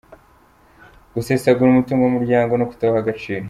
Gusesagura umutungo w’umuryango no kutawuha agaciro.